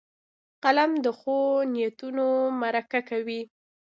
قلم د ښو نیتونو مرکه کوي